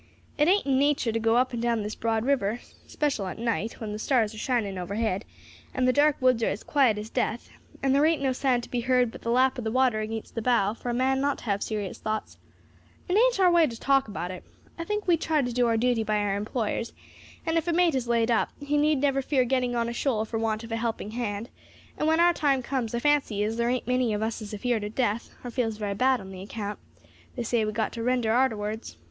It ain't in nature to go up and down this broad river, special at night, when the stars are shining overhead, and the dark woods are as quiet as death, and there ain't no sound to be heard but the lap of the water against the bow for a man not to have serious thoughts. It ain't our way to talk about it. I think we try to do our duty by our employers, and if a mate is laid up, he need never fear getting on a shoal for want of a helping hand; and when our time comes, I fancy as there ain't many of us as is afeared of death, or feels very bad about the account they say we have got to render arterwards.